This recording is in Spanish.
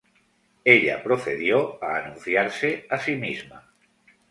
Ella procedió a anunciarse a sí misma.